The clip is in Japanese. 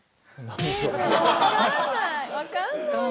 分かんない。